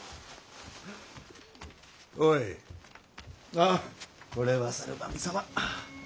あっこれは猿喰様。